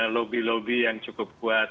lobby lobby yang cukup kuat